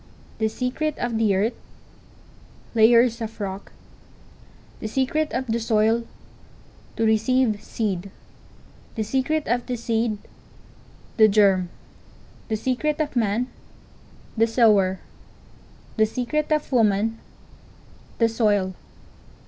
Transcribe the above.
The secret of the earth—layers of rock. The secret of the soil—to receive seed. The secret of the seed—the germ. The secret of man—the sower. The secret of woman—the soil.